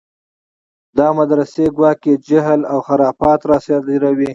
دا مدرسې ګواکې جهل و خرافات راصادروي.